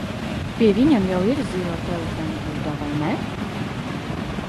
Pie viņiem jau ir zilā telefonbūda, vai ne?